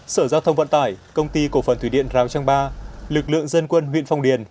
sở giao thông vận tải công ty cổ phần thủy điện rào trang ba lực lượng dân quân huyện phong điền